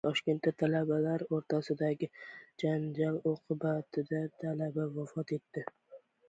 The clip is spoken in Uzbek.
Toshkentda talabalar o‘rtasidagi janjal oqibatida talaba vafot etdi